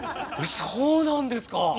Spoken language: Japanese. そうなんですか！